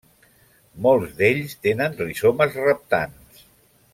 Molts d'ells tenen rizomes reptants.